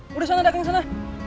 pergi sana dek ke sana